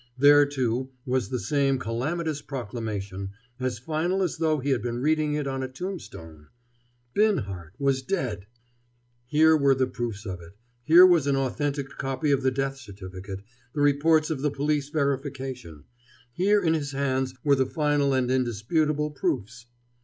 There, too, was the same calamitous proclamation, as final as though he had been reading it on a tombstone. Binhart was dead! Here were the proofs of it; here was an authentic copy of the death certificate, the reports of the police verification; here in his hands were the final and indisputable proofs.